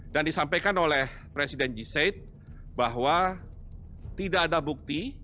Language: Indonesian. dan disampaikan oleh presiden g said bahwa tidak ada bukti